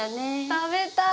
食べたい。